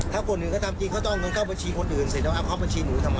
ถ้าคนหนึ่งก็ทำจริงเขาจะต้องเข้าบัญชีเขาหรือการเหอกลับบัญชีหนูทำไม